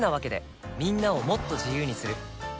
みんなをもっと自由にする「三菱冷蔵庫」